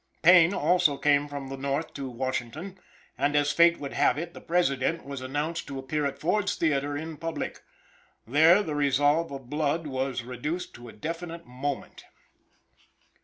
Payne also came from the North to Washington, and, as fate would have it, the President was announced to appear at Ford's theater in public. There the resolve of blood was reduced to a definite moment.